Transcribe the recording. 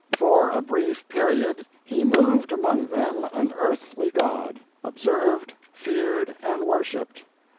"For a brief period he moved among them an earthly god—observed, feared and worshipped."